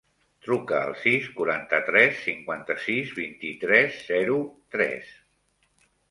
Truca al sis, quaranta-tres, cinquanta-sis, vint-i-tres, zero, tres.